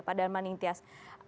pada arman intias